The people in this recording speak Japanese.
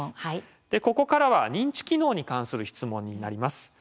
ここからは認知機能に関する質問になります。